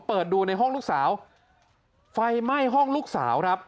เปิดดูในห้องลูกสาวไฟไหม้ห้องลูกสาวครับ